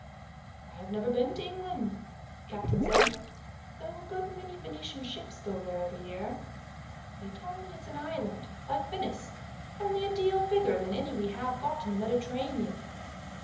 "I have never been to England," the captain said, "though a good many Venetian ships go there every year. They tell me it's an island, like Venice, only a deal bigger than any we have got in the Mediterranean.